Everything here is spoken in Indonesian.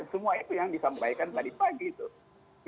semua itu yang disampaikan tadi pagi tuh